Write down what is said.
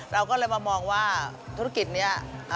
เราก็เลยมามองว่าธุรกิจนี้